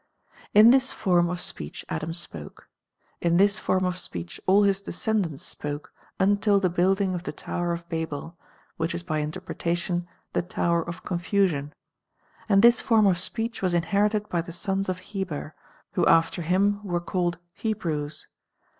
Vr. THE FIRST BOOK 17 In this form of speech Adam spoke ; Hebrew in tliis form of speech all his descendants spoke the until the building of the Tower of Babel, which primitive is by interpretation the tower of confusion ; and ^^8^"^S:* this form of speech was inherited by the sons of Hcber, who after him v/ere called Hebrews.